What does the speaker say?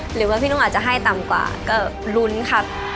หรือว่าพี่หนุ่มอาจจะให้ต่ำกว่าก็ลุ้นครับ